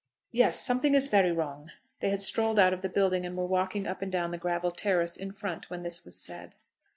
"Yes, something is very wrong." They had strolled out of the building, and were walking up and down the gravel terrace in front when this was said.